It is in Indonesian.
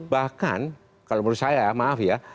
bahkan kalau menurut saya